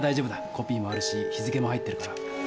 コピーもあるし日付も入ってるから。